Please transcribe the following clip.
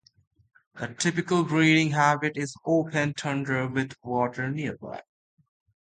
The typical breeding habitat is open tundra with water nearby.